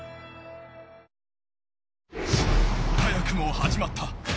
早くも始まった。